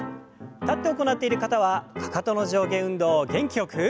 立って行っている方はかかとの上下運動を元気よく。